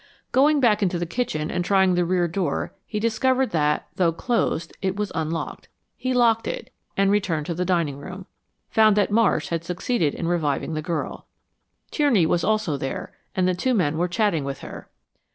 Going back into the kitchen, and trying the rear door, he discovered that, though closed, it was unlocked. He locked it, and returning to the dining room, found that Marsh had succeeded in reviving the girl. Tierney was also there, and the two men were chatting with her.